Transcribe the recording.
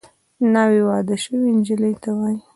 ناوې واده شوې نجلۍ ته وايي